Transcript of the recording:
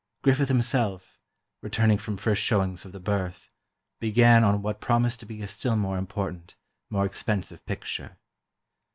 Griffith himself, returning from first showings of the "Birth," began on what promised to be a still more important, more expensive, picture.